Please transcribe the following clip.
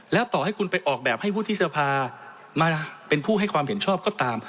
แล้วต่อให้คุณไปออกแบบให้วุฒิสภามาเป็นผู้ให้ความเห็นชอบก็ตาม